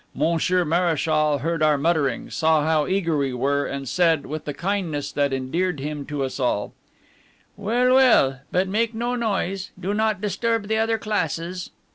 Monsieur Mareschal heard our mutterings, saw how eager we were, and said, with the kindness that endeared him to us all: "Well, well, but make no noise; do not disturb the other classes."